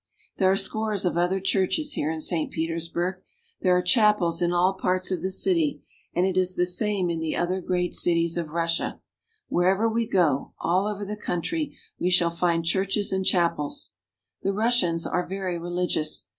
There are scores of other churches here in St. Peters burg. There are chapels in all parts of the city, and it is the same in the other great cities of Russia. Wherever we go, all over the country, we shall find churches and chapels. The Russians are very religious.